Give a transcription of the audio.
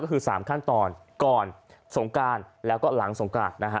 ก็คือ๓ขั้นตอนก่อนสงการแล้วก็หลังสงการนะฮะ